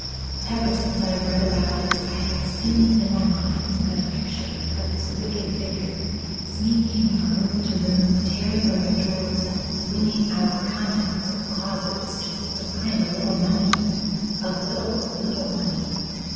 Ever since I've read about it I have seen, in my mind, a picture of his wicked figure sneaking from room to room, tearing open drawers and flinging out the contents of closets just to find a little money a little, little money!